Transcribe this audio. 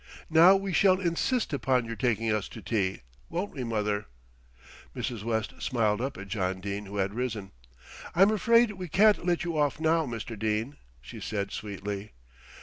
Now we shall insist upon your taking us to tea, won't we, mother?" Mrs. West smiled up at John Dene who had risen. "I'm afraid we can't let you off now, Mr. Dene," she said sweetly.